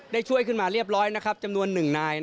ได้ช่วยขึ้นมาเรียบร้อยนะครับจำนวน๑นาย